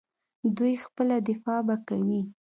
دوی خپله دفاع به کوي.